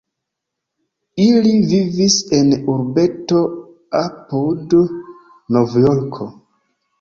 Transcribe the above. Ili vivis en urbeto apud Novjorko.